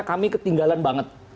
kami ketinggalan banget